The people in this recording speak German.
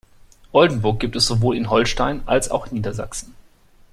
Oldenburg gibt es sowohl in Holstein, als auch in Niedersachsen.